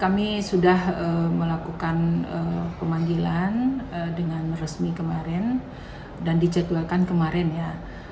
kami sudah melakukan pemanggilan dengan resmi kemarin dan dijadwalkan kemarin ya